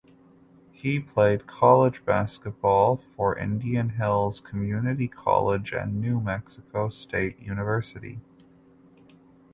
He played college basketball for Indian Hills Community College and New Mexico State University.